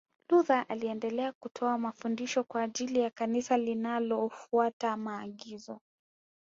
Luther aliendelea kutoa mafundisho kwa ajili ya Kanisa linalofuata maagizo